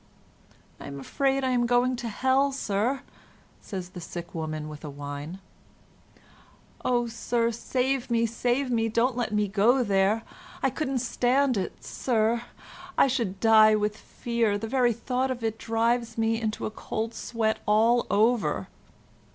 "I am afraid I'm going to Hell, Sir," says the sick woman with a whine. "Oh, Sir, save me, save me, don't let me go there. I couldn't stand it, Sir, I should die with fear, the very thought of it drives me into a cold sweat all over."